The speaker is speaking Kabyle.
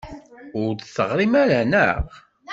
Ur d-teɣrim ara, naɣ?